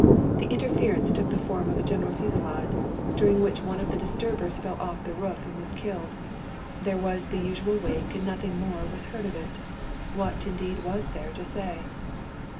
Tlie interference took tlie form of a general fusillade, during which one of the die turbere fell off the roof and was killed. There was tlie usual wake and nothing more was Iieard of it. "What, indeed, was there to say